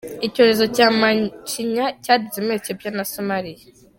Icyorezo cya macinya cyadutse muri Ethiopia na Somalia .